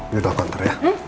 ini udah kantor ya